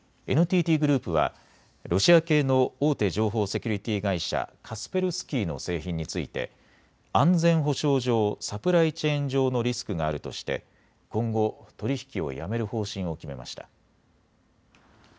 ＮＴＴグループはロシア系の大手情報セキュリティー会社、カスペルスキーの製品について安全保障上、サプライチェーン上のリスクがあるとして今後、取り引きをやめる方針を決めました。